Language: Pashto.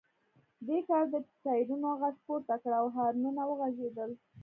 دې کار د ټایرونو غږ پورته کړ او هارنونه وغږیدل